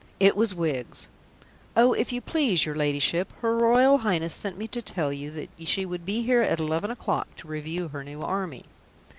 It was Wiggs. "Oh, if you please, your Ladyship, her Royal Highness sent me to tell you that she would be here at eleven o'clock to review her new army."